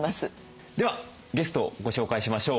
ではゲストをご紹介しましょう。